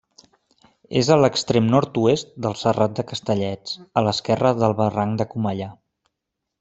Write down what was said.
És a l'extrem nord-oest del Serrat de Castellets, a l'esquerra del barranc de Comellar.